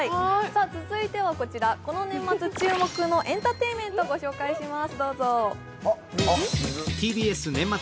続いては、この年末注目のエンタテインメント、ご紹介します。